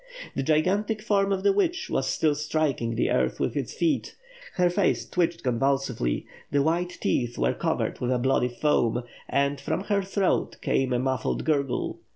The gigantic form of the witch was still striking the earth with its feet, her face twitched convulsively, the white teeth were covered with a bloody foam, and, from her throat, came a muffled gurgle.